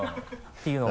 ていうのが。